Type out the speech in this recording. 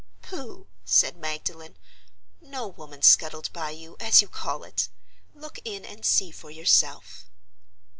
"Pooh!" said Magdalen. "No woman scuttled by you—as you call it. Look in and see for yourself."